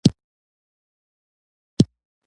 زما خونې ته رااوږده شوه